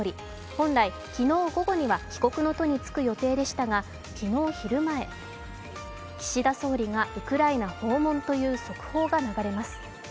本来、昨日午後には帰国の途につく予定でしたが昨日昼前、岸田総理がウクライナ訪問という速報が流れます。